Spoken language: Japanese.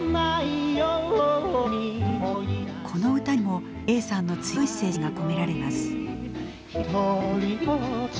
この歌にも永さんの強いメッセージが込められています。